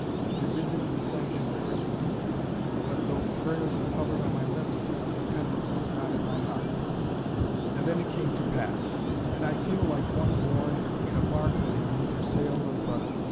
I visited the sanctuaries. But though prayers hovered on my lips, repentance was not in my heart. And then it came to pass. And I feel like one borne in a bark that has neither sail nor rudder.